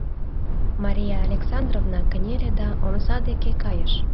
Мария Александровна кынеле да омса деке кайыш.